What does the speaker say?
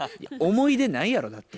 思い出ないやろだって。